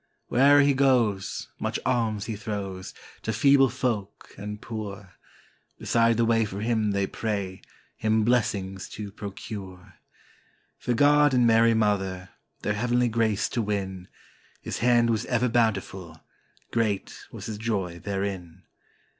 Where'er he goes, much alms he throws, to feeble folk and poor; Beside the way for him they pray, him blessings to pro cure. For God and Mary Mother, their heavenly grace to win. His hand was ever bountiful: great was his joy therein.